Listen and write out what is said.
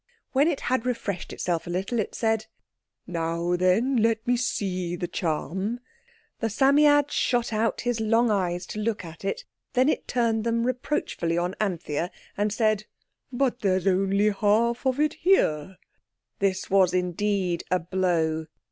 When it had refreshed itself a little it said— "Now then! Let me see the charm," and Anthea laid it on the green table cover. The Psammead shot out his long eyes to look at it, then it turned them reproachfully on Anthea and said— "But there's only half of it here!" This was indeed a blow.